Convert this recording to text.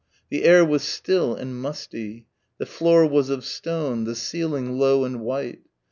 The air was still and musty the floor was of stone, the ceiling low and white.